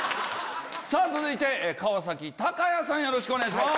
続いて川崎鷹也さんよろしくお願いします。